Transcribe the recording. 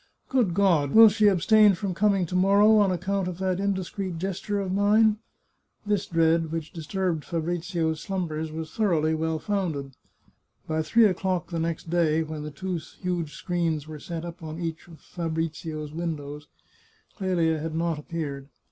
Good God! Will she abstain from coming to morrow on account of that indiscreet gesture of mine ?" This dread, which disturbed Fabrizio's slum bers, was thoroughly well founded. By three o'clock the 335 •• The Chartreuse of Parma next day, when the two huge screens were set up on each of Fabrizio's windows, Clelia had not appeared.